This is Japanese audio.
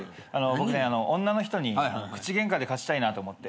僕ね女の人に口ゲンカで勝ちたいなと思って。